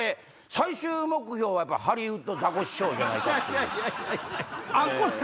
最終目標はハリウッドザコシショウじゃないかっていう。